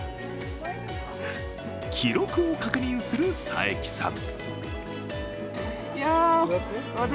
記録を確認する佐伯さん。